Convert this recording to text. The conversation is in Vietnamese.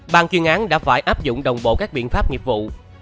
bàn chuyên án đã phải áp dụng đồng bộ các biện pháp nghiệp vụ